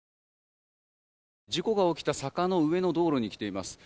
事故が起きた坂の上の道路に来ています。